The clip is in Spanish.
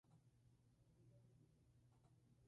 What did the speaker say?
El coro de hombres crea el fondo musical.